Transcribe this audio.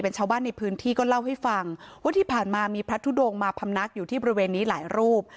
ชาวบ้านในพื้นที่ก็เล่าให้ฟังว่าที่ผ่านมามีพระทุดงมาพำนักอยู่ที่บริเวณนี้หลายรูป